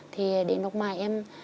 thì đến lúc mà em